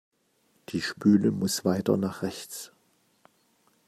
Die Spüle muss weiter nach rechts.